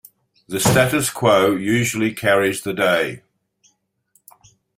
The status quo usually carries the day.